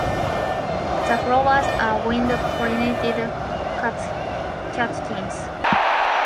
The flowers are wind-pollinated catkins.